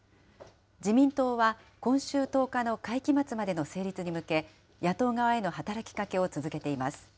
自民党は、今週１０日の会期末までの成立に向け、野党側への働きかけを続けています。